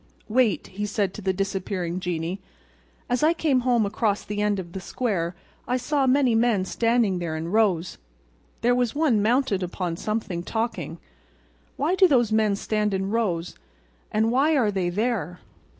"Wait," he said to the disappearing genie. "As I came home across the end of the square I saw many men standing there in rows. There was one mounted upon something, talking. Why do those men stand in rows, and why are they there?"